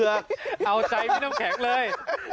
เอาใจพี่น้ำแข็งเลย